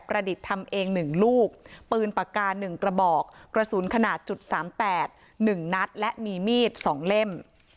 ปืนปากกา๑กระบอกกระสุนขนาดจุด๓๘๑นัดและมีมีด๒เล่ม